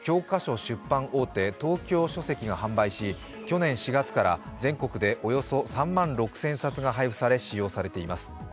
出版大手・東京書籍が販売し去年４月から全国でおよそ３万６０００冊が配布され、使用されています。